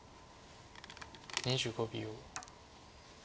２５秒。